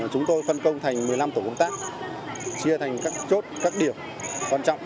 chúng tôi phân công thành một mươi năm tổ công tác chia thành các chốt các điểm quan trọng